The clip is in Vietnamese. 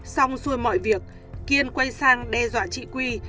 xong xuôi mọi việc kiên quay sang đe dọa chị quy